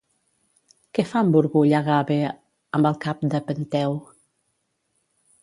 Què fa amb orgull Agave amb el cap de Penteu?